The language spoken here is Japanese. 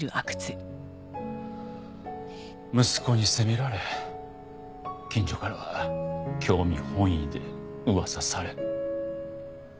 息子に責められ近所からは興味本位で噂され。